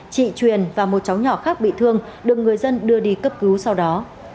chị truyền và một cháu nhỏ khác bị thương được người dân đưa đi cấp cứu sau đó